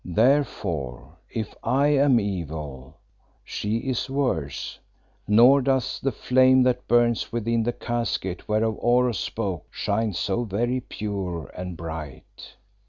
Therefore if I am evil, she is worse, nor does the flame that burns within the casket whereof Oros spoke shine so very pure and bright.